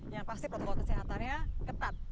yang pasti protokol kesehatannya ketat